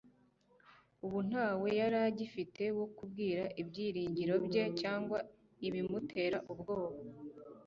Ubu ntawe yari agifite wo kubwira ibyiringiro bye cyangwa ibimuteye ubwoba.